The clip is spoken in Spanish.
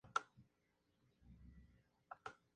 Perdió importancia con el advenimiento del clasicismo.